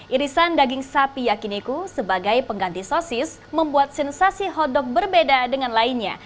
irisan daging sapi yakiniku sebagai pengganti sosis membuat sensasi hodok berbeda dengan lainnya